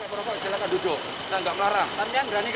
pak pakai perokoknya silahkan duduk